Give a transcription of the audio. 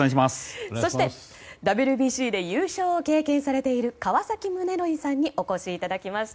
そして、ＷＢＣで優勝を経験されている川崎宗則さんにお越しいただきました。